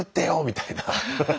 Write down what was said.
みたいな。